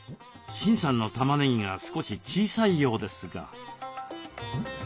シンさんの玉ねぎが少し小さいようですが。